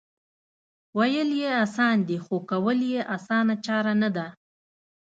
وېل یې اسان دي خو کول یې اسانه چاره نه ده